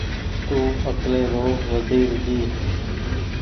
تو اڪلي رو وزير جي